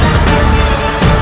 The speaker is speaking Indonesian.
dasar yang tak keblum